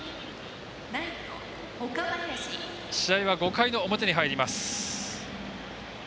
試合は５回の表に入ります。